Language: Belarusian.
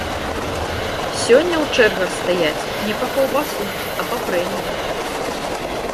Сёння ў чэргах стаяць не па каўбасу, а па прэмію.